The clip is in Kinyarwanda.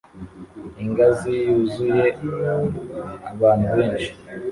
Ingazi zuzuye abantu benshi